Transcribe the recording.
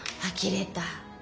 あきれた。